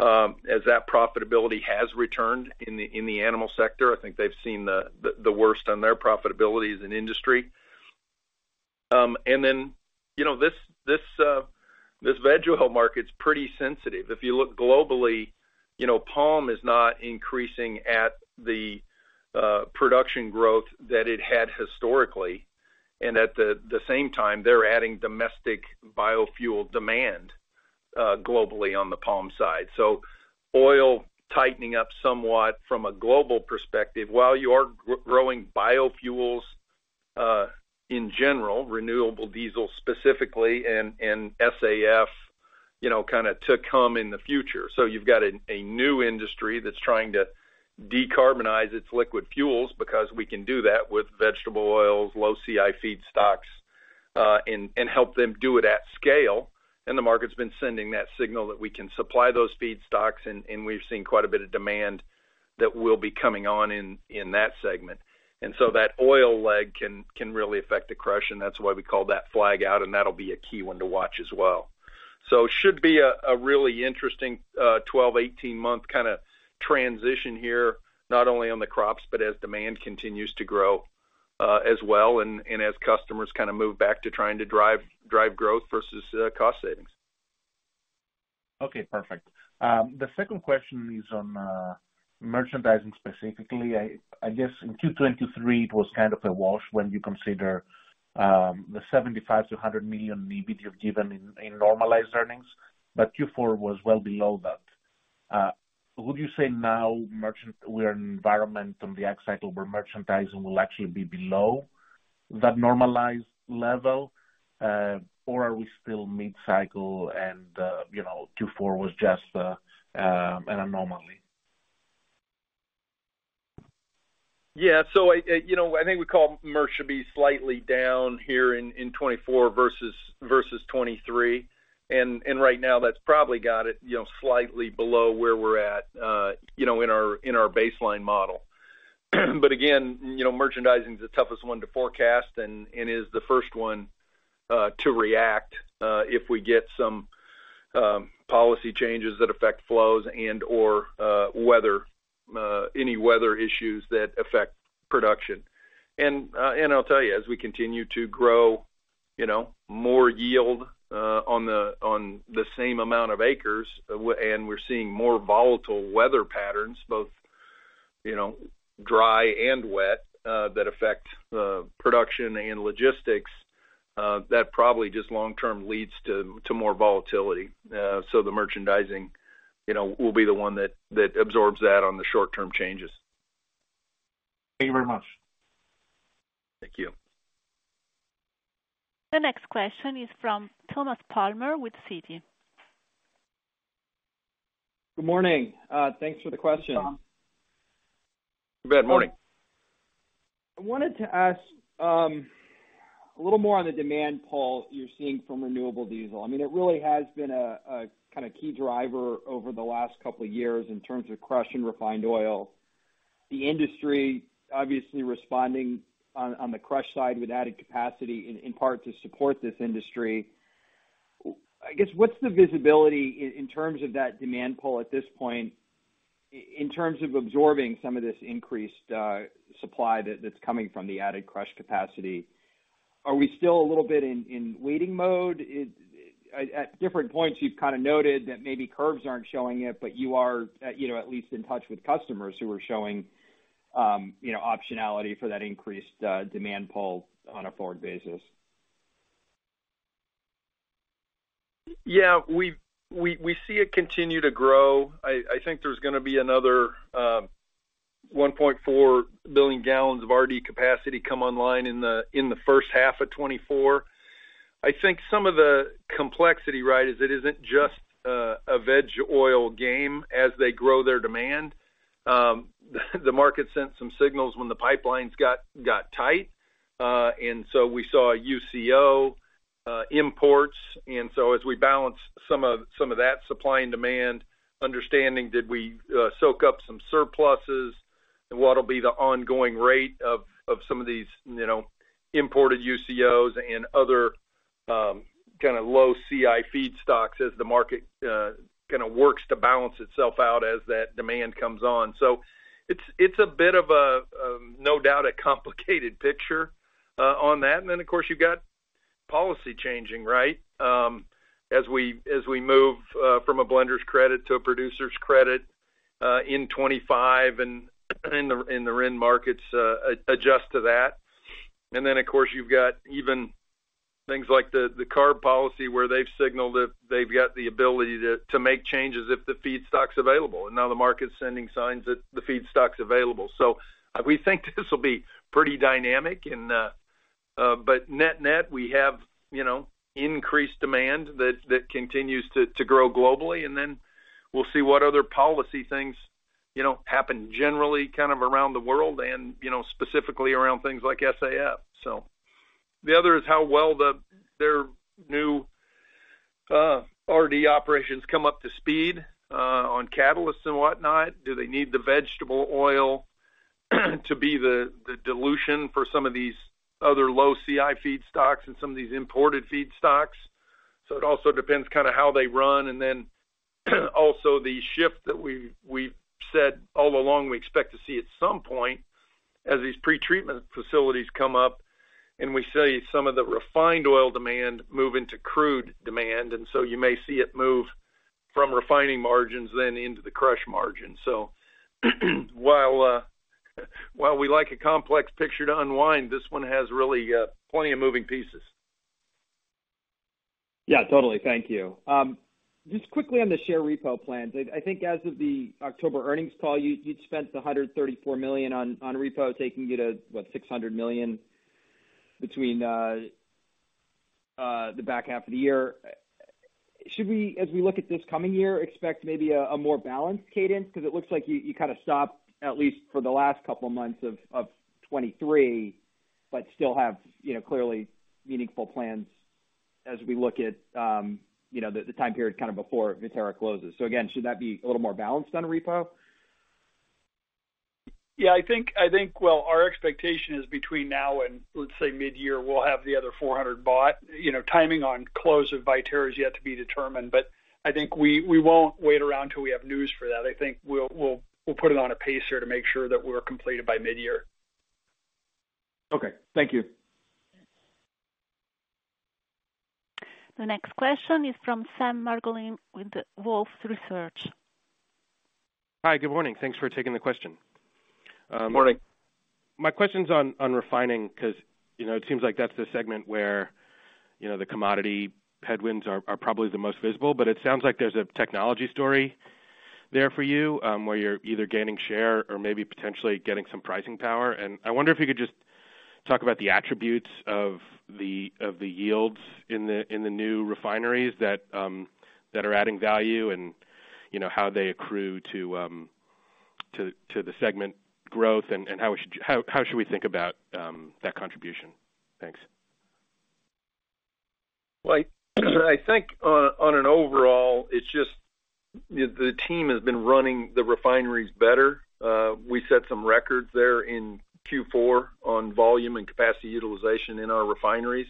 As that profitability has returned in the animal sector, I think they've seen the worst on their profitability as an industry. Then, you know, this veg oil market's pretty sensitive. If you look globally, you know, palm is not increasing at the production growth that it had historically, and at the same time, they're adding domestic biofuel demand globally on the palm side. So oil tightening up somewhat from a global perspective, while you are growing biofuels in general, renewable diesel specifically and SAF, you know, kind of to come in the future. So you've got a new industry that's trying to decarbonize its liquid fuels because we can do that with vegetable oils, low CI feedstocks, and help them do it at scale. And the market's been sending that signal that we can supply those feedstocks, and we've seen quite a bit of demand that will be coming on in that segment. And so that oil leg can really affect the crush, and that's why we call that flag out, and that'll be a key one to watch as well. So it should be a really interesting 12-18-month kind of transition here, not only on the crops, but as demand continues to grow as well, and as customers kind of move back to trying to drive growth versus cost savings. Okay, perfect. The second question is on merchandising specifically. I guess in Q2023, it was kind of a wash when you consider the $75 million-$100 million EBIT you've given in normalized earnings, but Q4 was well below that. Would you say now, merchandising, we're in an environment on the ag cycle where merchandising will actually be below that normalized level, or are we still mid-cycle and you know, Q4 was just an anomaly? Yeah. So, you know, I think we call merch to be slightly down here in 2024 versus 2023. And right now, that's probably got it, you know, slightly below where we're at, you know, in our baseline model. But again, you know, merchandising is the toughest one to forecast and is the first one to react if we get some policy changes that affect flows and/or weather, any weather issues that affect production. And I'll tell you, as we continue to grow, you know, more yield on the same amount of acres, and we're seeing more volatile weather patterns, both, you know, dry and wet, that affect production and logistics, that probably just long term leads to more volatility. So the merchandising, you know, will be the one that absorbs that on the short-term changes. Thank you very much. Thank you. The next question is from Thomas Palmer, with Citi. Good morning. Thanks for the question. Good morning. I wanted to ask a little more on the demand pull you're seeing from renewable diesel. I mean, it really has been a kind of key driver over the last couple of years in terms of crush and refined oil. The industry obviously responding on the crush side with added capacity in part to support this industry. I guess, what's the visibility in terms of that demand pull at this point, in terms of absorbing some of this increased supply that's coming from the added crush capacity? Are we still a little bit in waiting mode? It, at different points, you've kind of noted that maybe curves aren't showing it, but you are, you know, at least in touch with customers who are showing, you know, optionality for that increased demand pull on a forward basis. Yeah, we see it continue to grow. I think there's gonna be another 1.4 billion gal of RD capacity come online in the first half of 2024. I think some of the complexity, right, is it isn't just a veg oil game as they grow their demand. The market sent some signals when the pipelines got tight. And so we saw UCO imports. And so as we balance some of that supply and demand, understanding, did we soak up some surpluses? And what'll be the ongoing rate of some of these, you know, imported UCOs and other kind of low CI feedstocks as the market kind of works to balance itself out as that demand comes on. So it's a bit of a, no doubt, a complicated picture on that. And then, of course, you've got policy changing, right? As we move from a blender's credit to a producer's credit in 2025 and in the RIN markets, adjust to that. And then, of course, you've got even things like the CARB policy, where they've signaled that they've got the ability to make changes if the feedstock's available, and now the market's sending signs that the feedstock's available. So we think this will be pretty dynamic. But net-net, we have, you know, increased demand that continues to grow globally, and then we'll see what other policy things, you know, happen generally kind of around the world and, you know, specifically around things like SAF. So the other is how well their new RD operations come up to speed on catalysts and whatnot. Do they need the vegetable oil to be the dilution for some of these other low CI feedstocks and some of these imported feedstocks? So it also depends kind of how they run, and then also the shift that we've said all along, we expect to see at some point as these pretreatment facilities come up, and we see some of the refined oil demand move into crude demand, and so you may see it move from refining margins then into the crush margin. So while we like a complex picture to unwind, this one has really plenty of moving pieces. Yeah, totally. Thank you. Just quickly on the share repo plans. I think as of the October earnings call, you'd spent $134 million on repos, taking it at, what, $600 million between the back half of the year. Should we, as we look at this coming year, expect maybe a more balanced cadence? Because it looks like you kind of stopped, at least for the last couple of months of 2023, but still have, you know, clearly meaningful plans as we look at the time period kind of before Viterra closes. So again, should that be a little more balanced on a repo? Yeah, I think, well, our expectation is between now and, let's say mid-year, we'll have the other 400 bought. You know, timing on close of Viterra is yet to be determined, but I think we won't wait around until we have news for that. I think we'll put it on a pacer to make sure that we're completed by mid-year. Okay. Thank you. The next question is from Sam Margolin with Wolfe Research. Hi, good morning. Thanks for taking the question. Good morning. My question's on refining, because, you know, it seems like that's the segment where, you know, the commodity headwinds are probably the most visible, but it sounds like there's a technology story there for you, where you're either gaining share or maybe potentially getting some pricing power. And I wonder if you could just talk about the attributes of the yields in the new refineries that are adding value and, you know, how they accrue to the segment growth, and how should--how should we think about that contribution? Thanks. Well, I think on an overall, it's just the team has been running the refineries better. We set some records there in Q4 on volume and capacity utilization in our refineries.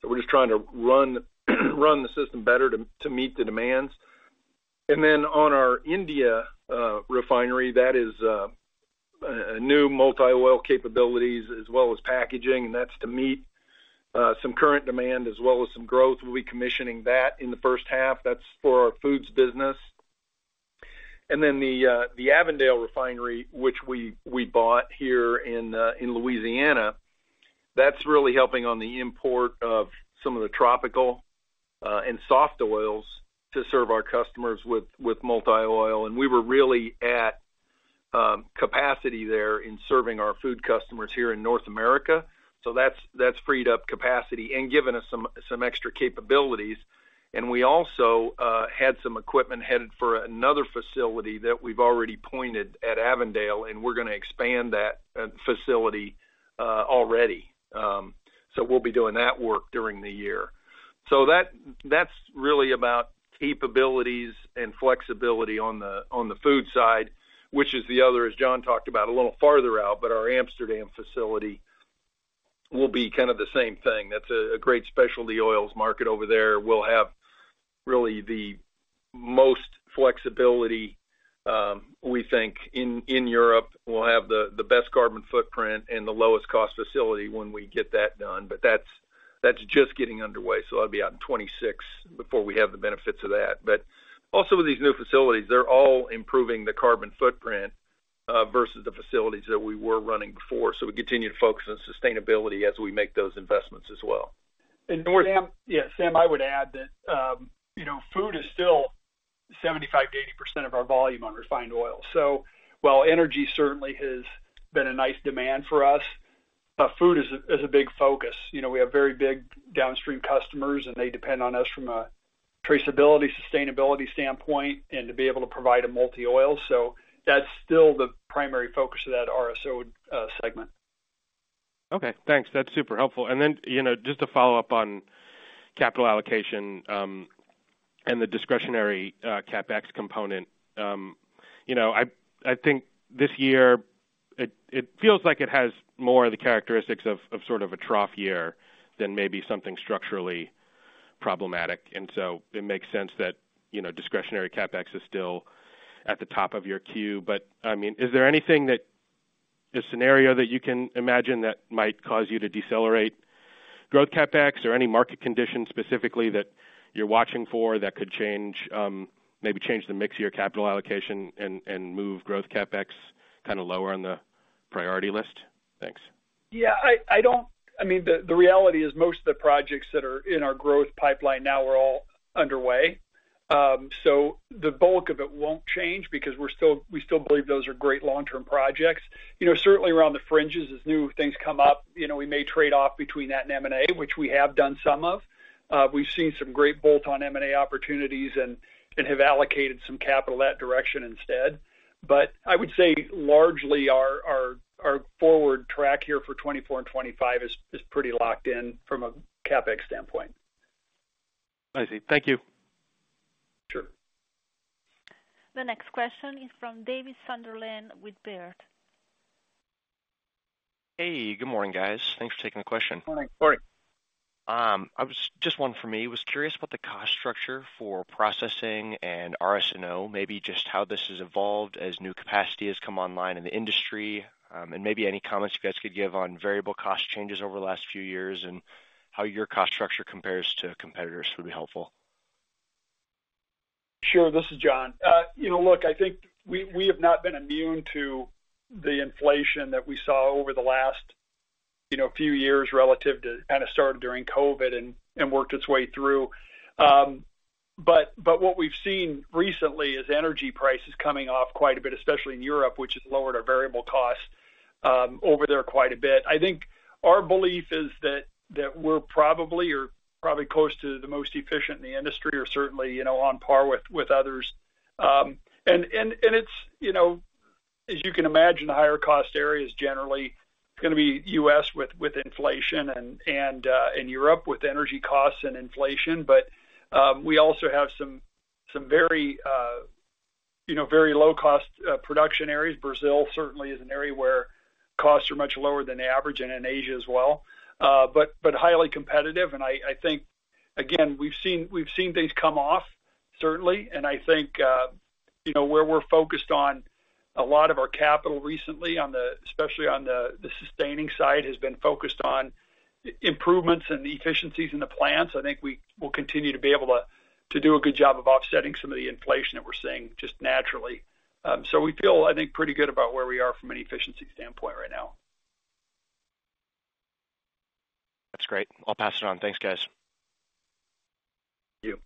So we're just trying to run the system better to meet the demands. And then on our India refinery, that is a new multi-oil capabilities as well as packaging, and that's to meet some current demand as well as some growth. We'll be commissioning that in the first half. That's for our foods business. And then the Avondale refinery, which we bought here in Louisiana, that's really helping on the import of some of the tropical and soft oils to serve our customers with multi-oil. And we were really at capacity there in serving our food customers here in North America. So that's freed up capacity and given us some extra capabilities. And we also had some equipment headed for another facility that we've already pointed at Avondale, and we're gonna expand that facility already. So we'll be doing that work during the year. So that's really about capabilities and flexibility on the food side, which is the other, as John talked about, a little farther out, but our Amsterdam facility will be kind of the same thing. That's a great specialty oils market over there. We'll have really the most flexibility, we think in Europe. We'll have the best carbon footprint and the lowest cost facility when we get that done, but that's just getting underway, so that'll be out in 2026 before we have the benefits of that. But also, with these new facilities, they're all improving the carbon footprint versus the facilities that we were running before. So we continue to focus on sustainability as we make those investments as well. Sam. Yes. Sam, I would add that, you know, food is still 75%-80% of our volume on refined oil. So while energy certainly has been a nice demand for us, food is a big focus. You know, we have very big downstream customers, and they depend on us from a traceability, sustainability standpoint and to be able to provide a multi-oil. So that's still the primary focus of that RSO segment. Okay, thanks. That's super helpful. And then, you know, just to follow up on capital allocation and the discretionary CapEx component. You know, I think this year it feels like it has more of the characteristics of sort of a trough year than maybe something structurally problematic, and so it makes sense that, you know, discretionary CapEx is still at the top of your queue. But, I mean, is there anything that- a scenario that you can imagine that might cause you to decelerate growth CapEx, or any market conditions specifically, that you're watching for that could change, maybe change the mix of your capital allocation and move growth CapEx kind of lower on the priority list? Thanks. Yeah, I don't—I mean, the reality is most of the projects that are in our growth pipeline now are all underway. So the bulk of it won't change because we're still—we still believe those are great long-term projects. You know, certainly around the fringes, as new things come up, you know, we may trade off between that and M&A, which we have done some of. We've seen some great bolt-on M&A opportunities and have allocated some capital that direction instead. But I would say, largely, our forward track here for 2024 and 2025 is pretty locked in from a CapEx standpoint. I see. Thank you. Sure. The next question is from Davis Sunderland with Baird. Hey, good morning, guys. Thanks for taking the question. Good morning. Morning. I was just one for me. Was curious about the cost structure for processing and RSO, maybe just how this has evolved as new capacity has come online in the industry. And maybe any comments you guys could give on variable cost changes over the last few years, and how your cost structure compares to competitors, would be helpful. Sure. This is John. You know, look, I think we have not been immune to the inflation that we saw over the last few years relative to kind of started during COVID and worked its way through. But what we've seen recently is energy prices coming off quite a bit, especially in Europe, which has lowered our variable costs over there quite a bit. I think our belief is that we're probably or probably close to the most efficient in the industry or certainly, you know, on par with others. And it's, you know, as you can imagine, the higher cost areas generally is gonna be U.S. with inflation and in Europe, with energy costs and inflation. But we also have some very, you know, very low-cost production areas. Brazil certainly is an area where costs are much lower than the average, and in Asia as well. But highly competitive, and I think, again, we've seen things come off certainly, and I think, you know, where we're focused on a lot of our capital recently, especially on the sustaining side, has been focused on improvements and the efficiencies in the plants. I think we will continue to be able to do a good job of offsetting some of the inflation that we're seeing just naturally. So we feel, I think, pretty good about where we are from an efficiency standpoint right now. That's great. I'll pass it on. Thanks, guys. Thank you.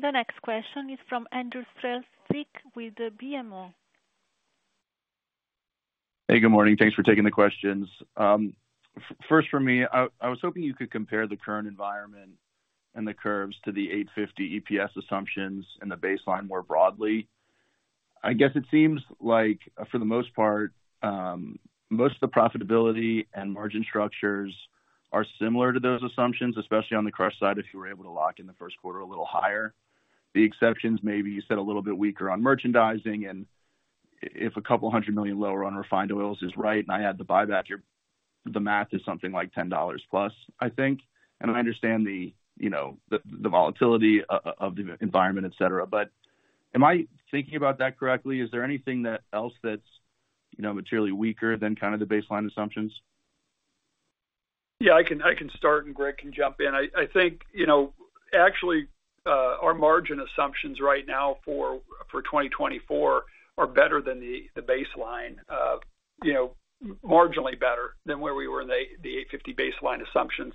The next question is from Andrew Strelzik with BMO. Hey, good morning. Thanks for taking the questions. First for me, I was hoping you could compare the current environment and the curves to the $8.50 EPS assumptions and the baseline more broadly. I guess it seems like, for the most part, most of the profitability and margin structures are similar to those assumptions, especially on the crush side, if you were able to lock in the first quarter a little higher. The exceptions may be, you said, a little bit weaker on merchandising, and if a couple hundred million lower on refined oils is right, and I add the buyback, your, the math is something like $10 plus, I think. And I understand the, you know, the volatility of the environment, et cetera, but am I thinking about that correctly? Is there anything else that's, you know, materially weaker than kind of the baseline assumptions? Yeah, I can, I can start, and Greg can jump in. I, I think, you know, actually, our margin assumptions right now for 2024 are better than the baseline. You know, marginally better than where we were in the $850 baseline assumptions.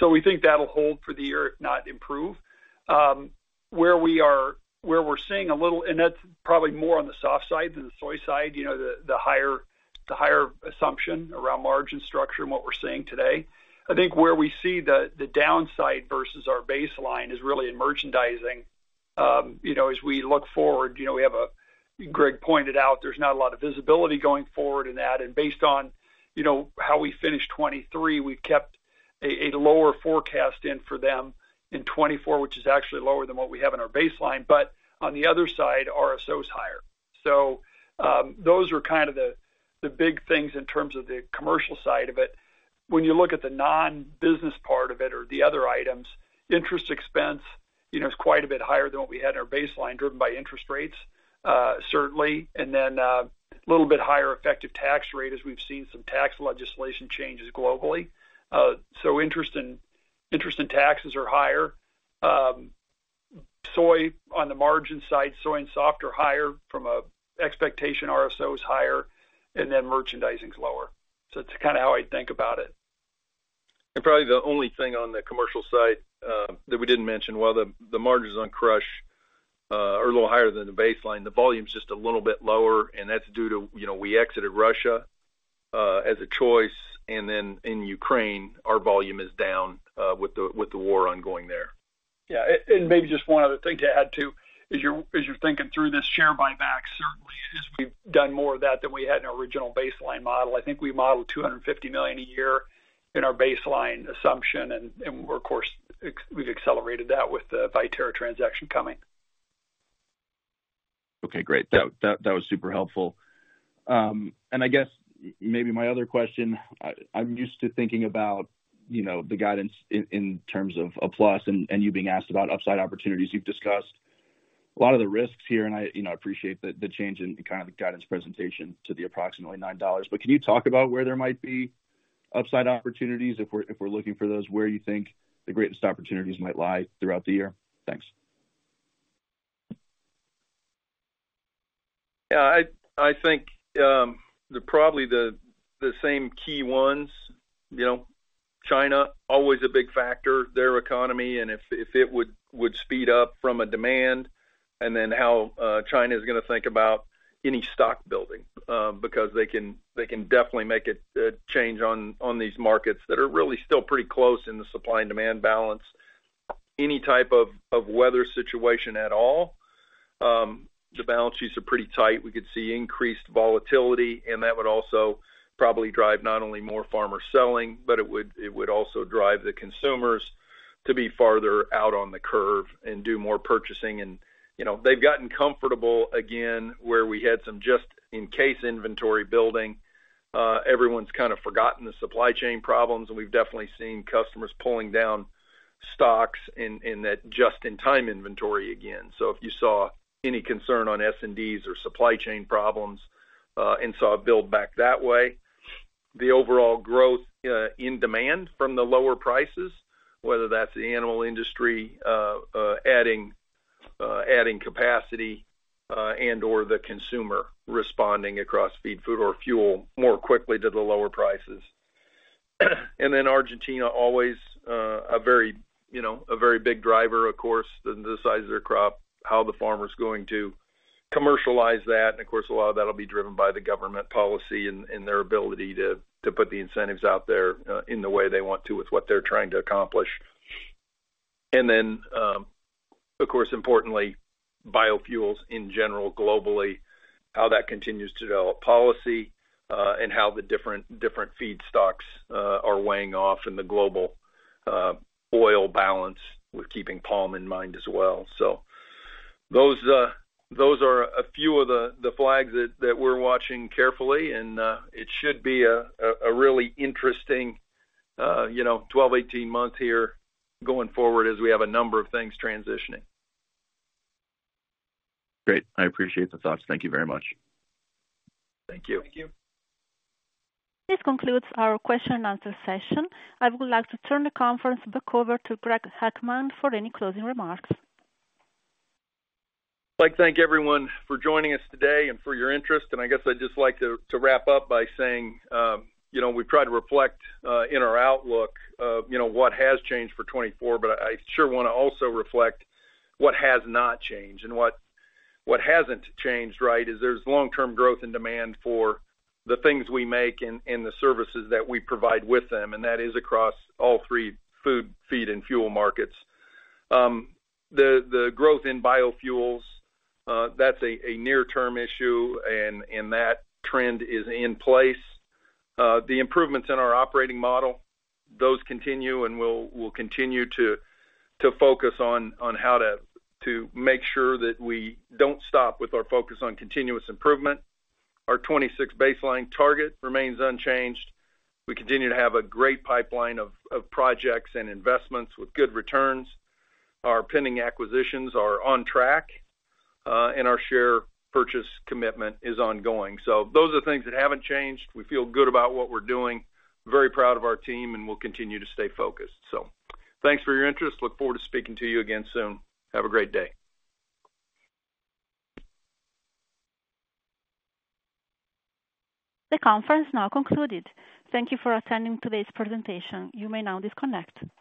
So we think that'll hold for the year, if not improve. Where we're seeing a little and that's probably more on the soft side than the soy side, you know, the higher assumption around margin structure and what we're seeing today. I think where we see the downside versus our baseline is really in merchandising. You know, as we look forward, you know, we have a—Greg pointed out, there's not a lot of visibility going forward in that, and based on, you know, how we finished 2023, we've kept a lower forecast in for them in 2024, which is actually lower than what we have in our baseline. But on the other side, RSO is higher. So, those are kind of the big things in terms of the commercial side of it. When you look at the non-business part of it or the other items, interest expense, you know, is quite a bit higher than what we had in our baseline, driven by interest rates, certainly, and then a little bit higher effective tax rate as we've seen some tax legislation changes globally. So interest and taxes are higher. Soy on the margin side, soy and soft are higher from an expectation. RSO is higher, and then merchandising is lower. So it's kind of how I think about it. Probably the only thing on the commercial side that we didn't mention, while the margins on crush are a little higher than the baseline, the volume is just a little bit lower, and that's due to, you know, we exited Russia as a choice, and then in Ukraine, our volume is down with the war ongoing there. Yeah, and maybe just one other thing to add, too, as you're thinking through this share buyback, certainly, is we've done more of that than we had in our original baseline model. I think we modeled $250 million a year in our baseline assumption, and of course, we've accelerated that with the Viterra transaction coming. Okay, great. That was super helpful. And I guess maybe my other question, I'm used to thinking about, you know, the guidance in terms of a plus and you being asked about upside opportunities. You've discussed a lot of the risks here, and you know I appreciate the change in kind of the guidance presentation to the approximately $9. But can you talk about where there might be upside opportunities if we're looking for those, where you think the greatest opportunities might lie throughout the year? Thanks. Yeah, I think they're probably the same key ones. You know, China, always a big factor, their economy, and if it would speed up from a demand, and then how China is going to think about any stock building, because they can definitely make a change on these markets that are really still pretty close in the supply and demand balance. Any type of weather situation at all, the balance sheets are pretty tight. We could see increased volatility, and that would also probably drive not only more farmer selling, but it would also drive the consumers to be farther out on the curve and do more purchasing. And, you know, they've gotten comfortable again, where we had some just-in-case inventory building. Everyone's kind of forgotten the supply chain problems, and we've definitely seen customers pulling down stocks in that just-in-time inventory again. So if you saw any concern on S&Ds or supply chain problems and saw a build back that way, the overall growth in demand from the lower prices, whether that's the animal industry adding capacity and/or the consumer responding across feed, food, or fuel more quickly to the lower prices. And then Argentina, always a very, you know, a very big driver, of course, the size of their crop, how the farmer is going to commercialize that. And of course, a lot of that will be driven by the government policy and their ability to put the incentives out there in the way they want to with what they're trying to accomplish. And then, of course, importantly, biofuels in general, globally, how that continues to develop policy, and how the different feedstocks are weighing off in the global oil balance, with keeping palm in mind as well. So those are a few of the flags that we're watching carefully, and it should be a really interesting, you know, 12-18 months here going forward as we have a number of things transitioning. Great. I appreciate the thoughts. Thank you very much. Thank you. Thank you. This concludes our question and answer session. I would like to turn the conference back over to Greg Heckman for any closing remarks. I'd like to thank everyone for joining us today and for your interest, and I guess I'd just like to wrap up by saying, you know, we've tried to reflect in our outlook, you know, what has changed for 2024, but I sure want to also reflect what has not changed. And what hasn't changed, right, is there's long-term growth and demand for the things we make and the services that we provide with them, and that is across all three food, feed, and fuel markets. The growth in biofuels, that's a near-term issue, and that trend is in place. The improvements in our operating model, those continue, and we'll continue to focus on how to make sure that we don't stop with our focus on continuous improvement. Our 2026 baseline target remains unchanged. We continue to have a great pipeline of projects and investments with good returns. Our pending acquisitions are on track, and our share purchase commitment is ongoing. So those are things that haven't changed. We feel good about what we're doing, very proud of our team, and we'll continue to stay focused. So thanks for your interest. Look forward to speaking to you again soon. Have a great day. The conference now concluded. Thank you for attending today's presentation. You may now disconnect.